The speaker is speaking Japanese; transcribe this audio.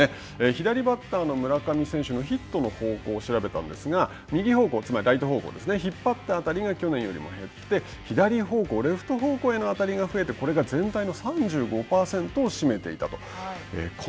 左バッターの村上選手のヒットの方向を調べたんですが右方向、つまりライト方向引っ張った当たりが去年よりも減って左方向、レフト方向への当たりが増えてこれが全体の３５％を占めていたと。